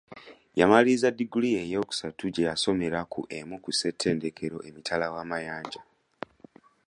Yamaliriza ddiguli ye eyokusatu gye yasomera ku emu ku ssetendekero emitala w'amayanja.